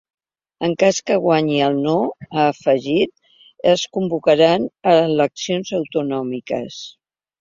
En cas que guanyi el no, ha afegit, es convocaran eleccions autonòmiques.